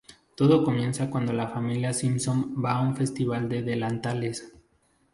Todo comienza cuando la familia Simpson va a un festival de delantales.